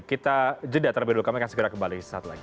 kita jeda terlebih dahulu kami akan segera kembali saat lagi